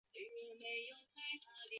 国民议会。